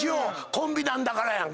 コンビなんだからやんか。